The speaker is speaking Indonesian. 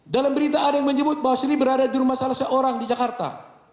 dalam berita ada yang menyebut bahwa sri berada di rumah salah seorang di jakarta